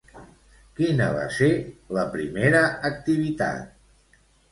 Quina va ser la primera activitat?